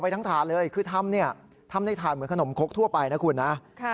ทั้งถาดเลยคือทำเนี่ยทำในถาดเหมือนขนมคกทั่วไปนะคุณนะ